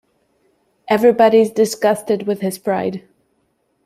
Everybody is disgusted with his pride.